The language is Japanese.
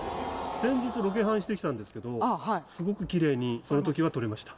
先日、ロケハンしてきたんですけど、すごくきれいにそのときは撮れました。